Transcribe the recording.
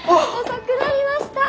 遅くなりました！